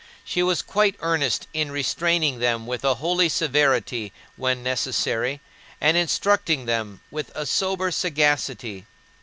She was quite earnest in restraining them with a holy severity when necessary and instructing them with a sober sagacity.